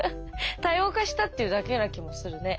多様化したっていうだけな気もするね。